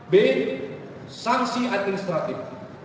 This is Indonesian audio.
b sanksi administratif